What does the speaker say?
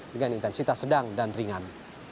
dengan intensitas sedang dan ringan